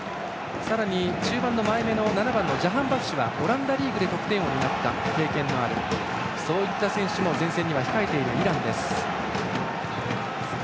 さらに中盤の前めの７番のジャハンバフシュはオランダリーグで得点王になった経験もありそういった選手が前線にそろっているイランです。